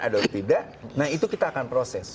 atau tidak nah itu kita akan proses